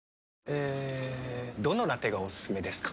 えどのラテがおすすめですか？